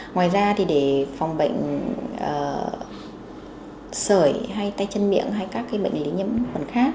ngoài ra thì để phòng bệnh sởi hay tay chân miệng hay các bệnh lý nhiễm khuẩn khác